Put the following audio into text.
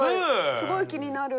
すごい気になる。